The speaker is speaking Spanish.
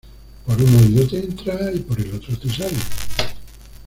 Por un oído te entra y por el otro te sale